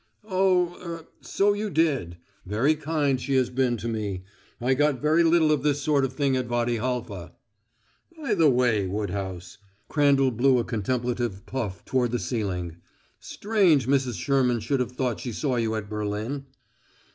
"Oh er so you did. Very kind she has been to me. I got very little of this sort of thing at Wady Halfa." "By the way, Woodhouse" Crandall blew a contemplative puff toward the ceiling "strange Mrs. Sherman should have thought she saw you at Berlin."